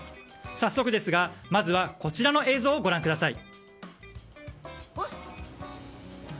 早速ですが、まずはこちらの映像をご覧ください。